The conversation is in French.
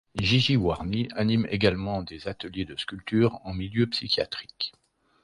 Gigi Warny anime également des ateliers de sculpture en milieu psychiatrique.